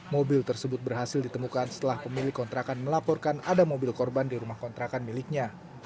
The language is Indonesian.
mobil tersebut berhasil ditemukan setelah pemilik kontrakan melaporkan ada mobil korban di rumah kontrakan miliknya